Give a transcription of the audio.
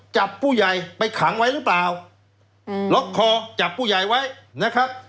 จับผู้ใหญ่ไปขังไว้หรือเปล่าล็อกคอจับผู้ใหญ่ไว้นะครับ